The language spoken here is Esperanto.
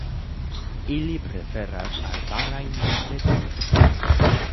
Ili preferas arbarajn montetojn.